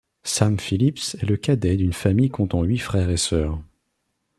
Sam Phillips est le cadet d'une famille comptant huit frères et sœurs.